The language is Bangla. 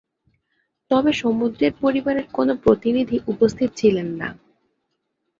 তবে সমুদ্রের পরিবারের কোনো প্রতিনিধি উপস্থিত ছিলেন না।